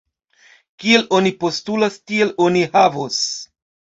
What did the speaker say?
Kiel oni postulas, tiel oni havos!